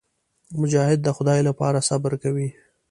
مجاهد د خدای لپاره صبر کوي.